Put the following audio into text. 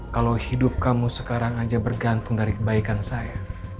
kalau hidup kamu sekarang aja bergantung dari kebaikan saya